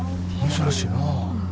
珍しいな。